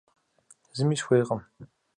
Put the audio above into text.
Зыми сыхуейкъым.